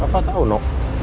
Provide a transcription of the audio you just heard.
papa tahu no